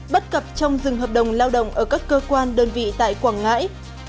bắt cặp trong dừng hợp đồng lao động ở các cơ quan đơn vị tại quảng ngãi